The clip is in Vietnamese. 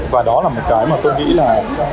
và đó là một cái mà tôi nghĩ là